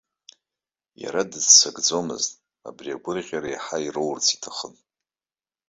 Иара дыццакӡомызт, абри агәырӷьара еиҳа ироурц иҭахын.